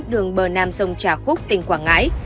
đường bờ nam sông trà khúc tỉnh quảng ngãi